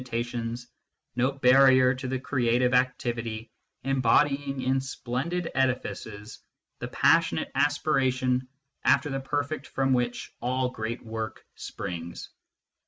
THE STUDY OF MATHEMATICS 61 tions, no barrier to the creative activity embodying in splendid edifices the passionate aspiration after the per fect from which all great work springs.